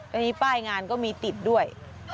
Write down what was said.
อันนี้ป้ายงานก็มีติดด้วย